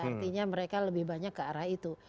artinya mereka lebih banyak ke arah itu